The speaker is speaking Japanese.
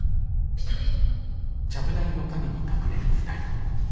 下の人？